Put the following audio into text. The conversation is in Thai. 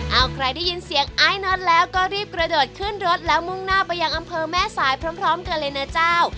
เอาใครได้ยินเสียงไอ้น็อตแล้วก็รีบกระโดดขึ้นรถแล้วมุ่งหน้าไปยังอำเภอแม่สายพร้อมกันเลยนะเจ้า